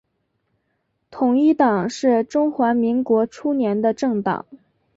统一党是中华民国初年的政党。